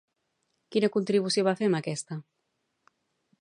Quina contribució va fer amb aquesta?